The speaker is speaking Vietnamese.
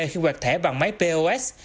khi hoạt thẻ bằng máy pos